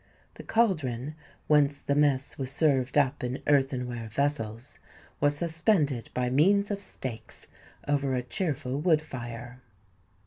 The caldron, whence the mess was served up in earthenware vessels, was suspended by means of stakes over a cheerful wood fire.